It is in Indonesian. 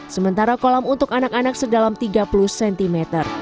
sementara kolam untuk anak anak sedalam tiga puluh cm